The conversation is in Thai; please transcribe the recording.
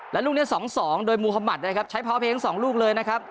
แล้วลูกเนี่ยสองสองโดยมุธมัตินะครับใช้พาวเพลงสองลูกเลยนะครับ